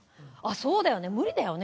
「そうだよね無理だよね